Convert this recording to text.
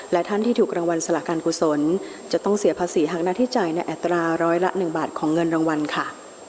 และท่านที่ถูกรางวัลสละการกุศลจะต้องเสียภาษีหากหน้าที่จ่ายในอัตราร้อยละ๑บาทของเงินรางวัลค่ะ